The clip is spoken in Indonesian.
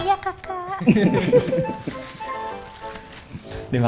dek makan dong ma